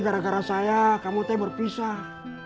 gara gara saya kamu teh berpisah